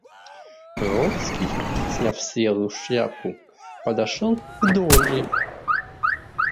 Вронский, сняв серую высокую шляпу, подошел к Долли.